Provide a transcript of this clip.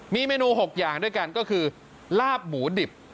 มีเมนู๖อย่างด้วยกันก็คือลาบหมูดิบ